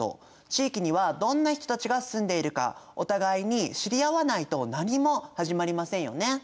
地域にはどんな人たちが住んでいるかお互いに知り合わないと何も始まりませんよね！